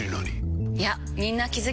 いやみんな気付き始めてます。